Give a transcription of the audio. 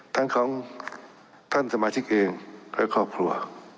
ทั้งของท่านสมาชิกเองและครอบครัว